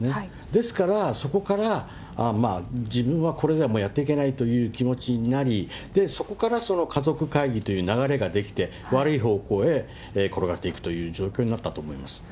ですからそこから、自分はこれではもうやっていけないという気持ちになり、そこから家族会議という流れが出来て、悪い方向へ転がっていくという状況になったと思うんです。